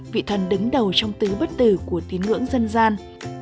vị thần đứng đầu trong tứ bất tử của tín ngưỡng dân gian